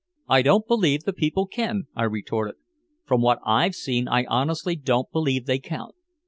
"I don't believe the people can," I retorted. "From what I've seen I honestly don't believe they count.